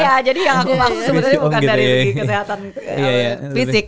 iya jadi yang aku maksud sebenarnya bukan dari segi kesehatan fisik